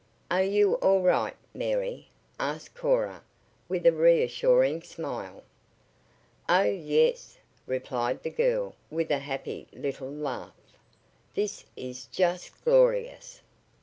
"Are you all right, Mary?" asked Cora with a reassuring smile. "Oh, yes," replied the girl with a happy little laugh. "This is just glorious!"